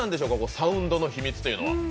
サウンドのヒミツというのは。